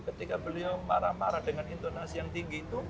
ketika beliau marah marah dengan intonasi yang tinggi itu